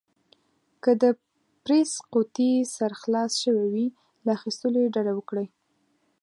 که د پرېس قوطي سر خلاص شوی وي، له اخيستلو يې ډډه وکړئ.